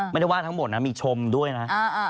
ไม่ได้ว่าทั้งหมดนะมีชมด้วยนะ